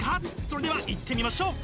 それではいってみましょう！